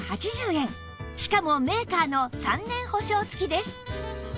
しかもメーカーの３年保証付きです